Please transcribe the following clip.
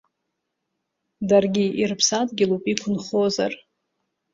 Даргьы ирыԥсадгьылуп, иқәынхозар…